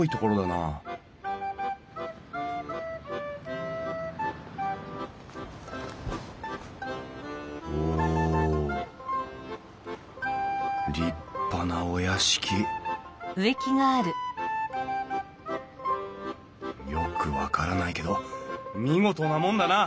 なおお立派なお屋敷よく分からないけど見事なもんだな！